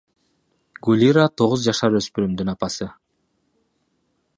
Гулира — тогуз жашар өспүрүмүн апасы.